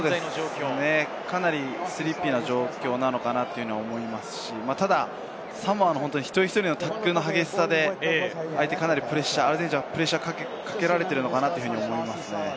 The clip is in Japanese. かなりスリッピーな状況なのかなと思いますし、サモアの一人一人のタックルの激しさで、相手はかなりプレッシャーをかけられていると思います。